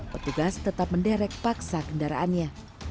petugas tetap menderek paksa kendaraannya